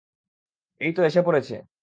এইতো এসে পড়েছে!